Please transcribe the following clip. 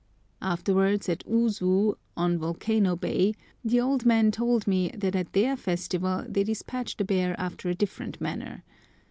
[Afterwards at Usu, on Volcano Bay, the old men told me that at their festival they despatch the bear after a different manner.